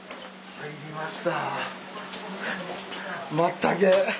やりました。